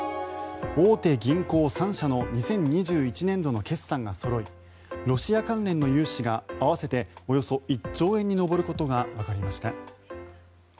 大手銀行３社の２０２１年度の決算がそろいロシア関連の融資が合わせておよそ１兆円に上ることがわかりました。